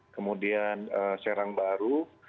kemudian serang baru